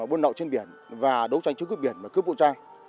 buôn nậu trên biển và đấu tranh chống quyết biển và cướp bộ trang